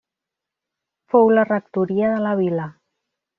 Fou la rectoria de la vila.